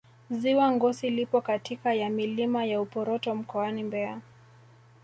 ziwa ngosi lipo katika ya milima ya uporoto mkoani mbeya